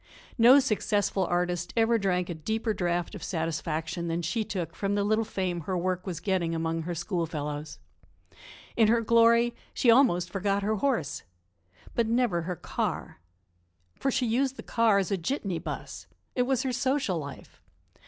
No successful artist ever drank a deeper draught of satisfaction than she took from the little fame her work was getting among her schoolfellows. In her glory, she almost forgot her horse but never her car. For she used the car as a jitney bus. It was her social life.